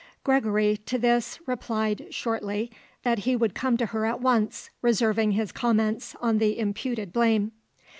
Gregory, to this, replied, shortly, that he would come to her at once, reserving his comments on the imputed blame.